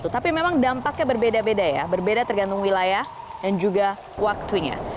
tapi memang dampaknya berbeda beda ya berbeda tergantung wilayah dan juga waktunya